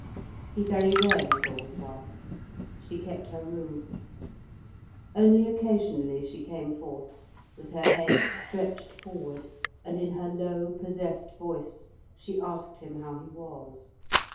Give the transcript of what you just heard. He very rarely saw his wife. She kept her room. Only occasionally she came forth, with her head stretched forward, and in her low, possessed voice, she asked him how he was.